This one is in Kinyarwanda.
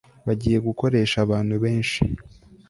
bagiye gukoresha abantu benshi